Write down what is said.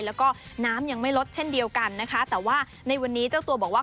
แล้วก็น้ำยังไม่ลดเช่นเดียวกันนะคะแต่ว่าในวันนี้เจ้าตัวบอกว่า